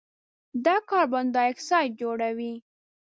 د کاربن ډای اکسایډ جوړوي.